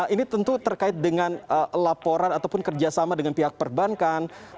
ini tentu terkait dengan laporan ataupun kerjasama dengan pihak perbankan